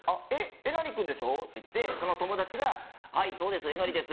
えなり君でしょ？」って言ってその友達が「はいそうですえなりです」。